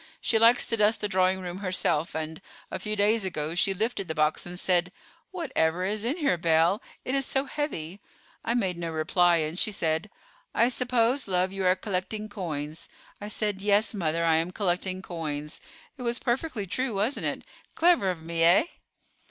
She likes to dust the drawing room herself, and, a few days ago, she lifted the box and said: 'Whatever is in here, Belle? It is so heavy?' I made no reply; and she said, 'I suppose, love, you are collecting coins.' I said, 'Yes, mother; I am collecting coins.' It was perfectly true, wasn't it. Clever of me—eh?"